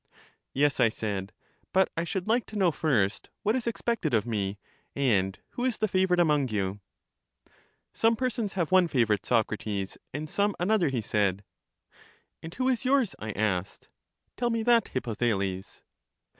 Yes, I said; but I should like to know first, what is expected of me, and who is the favorite among you. Some persons have one favorite, Socrates, and some another, he said. And who is yours? I asked: tell me that, Hip pothales.